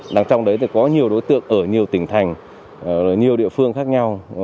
đằng trong đấy có nhiều đối tượng ở nhiều tỉnh thành nhiều địa phương khác nhau